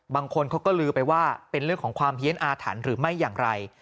บางคนเขาก็ลือไปว่าเป็นเรื่องของความเฮียนอาถรรพ์หรือไม่อย่างไร